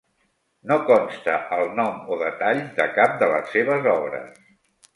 No consta el nom o detalls de cap de les seves obres.